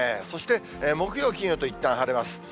そして木曜、金曜と、いったん晴れます。